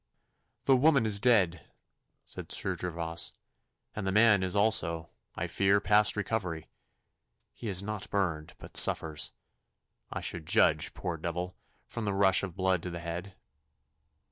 'The woman is dead,' said Sir Gervas, 'and the man is also, I fear, past recovery. He is not burned, but suffers, I should judge, poor devil! from the rush of blood to the head.